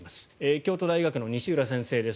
京都大学の西浦先生です。